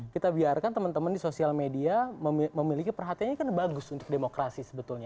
kita biarkan teman teman di sosial media memiliki perhatian ini kan bagus untuk demokrasi sebetulnya